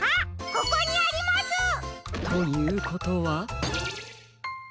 ここにあります！ということは？